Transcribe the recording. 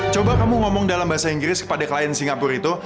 coba kamu ngomong dalam bahasa inggris kepada klien singapura itu